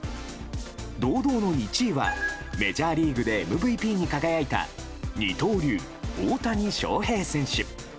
堂々の１位はメジャーリーグでＭＶＰに輝いた二刀流、大谷翔平選手。